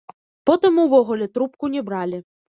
Потым увогуле трубку не бралі.